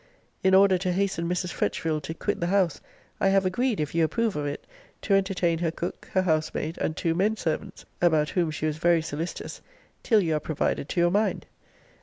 In order to hasten Mrs. Fretchville to quit the house, I have agreed, if you approve of it, to entertain her cook, her housemaid, and two men servants, (about whom she was very solicitous,) till you are provided to your mind.